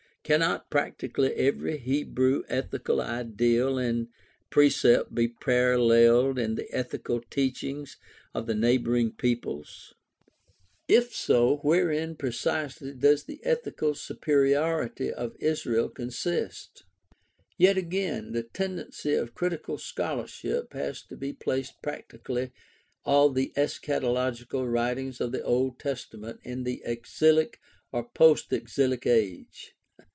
Cannot practically every Hebrew ethical ideal and precept be paralleled in the ethical teachings of the neighboring peoples ? If so, wherein precisely does the ethical superiority of Israel consist ? Yet again, the tendency of critical scholarship has been to place practically all the eschatological writings of the Old Testament in the exilic or post exilic age.